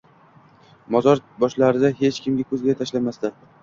Mozor boshlarida hech kim ko'zga tashlanmasdi.